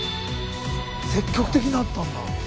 積極的になったんだ。